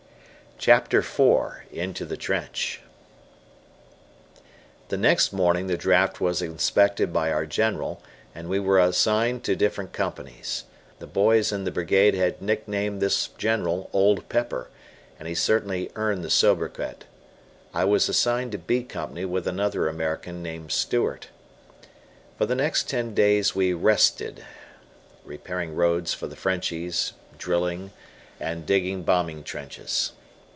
CHAPTER IV "INTO THE TRENCH" The next morning the draft was inspected by our General, and we were assigned to different companies. The boys in the Brigade had nicknamed this general Old Pepper, and he certainly earned the sobriquet. I was assigned to B Company with another American named Stewart. For the next ten days we "rested," repairing roads for the Frenchies, drilling, and digging bombing trenches.